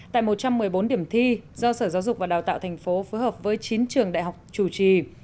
tại một trăm một mươi bốn điểm thi do sở giáo dục và đào tạo thành phố phối hợp với chín trường đại học chủ trì